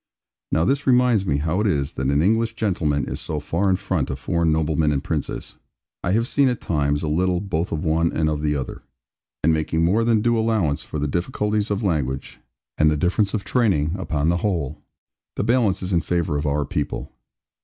Now this reminds me how it is that an English gentleman is so far in front of foreign noblemen and princes. I have seen at times, a little, both of one and of the other, and making more than due allowance for the difficulties of language, and the difference of training, upon the whole, the balance is in favour of our people.